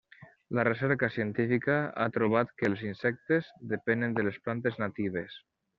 La recerca científica ha trobat que els insectes depenen de les plantes natives.